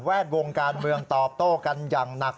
ดวงการเมืองตอบโต้กันอย่างหนัก